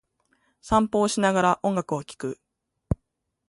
散歩をしながら、音楽を聴く。